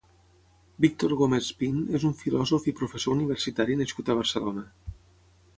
Víctor Gómez Pin és un filòsof i professor universitari nascut a Barcelona.